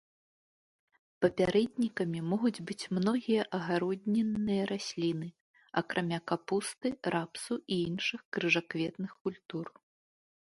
Папярэднікамі могуць быць многія агароднінныя расліны, акрамя капусты, рапсу і іншых крыжакветных культур.